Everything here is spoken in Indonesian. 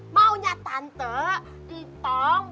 maunya tante di tong